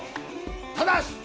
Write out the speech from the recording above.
ただし！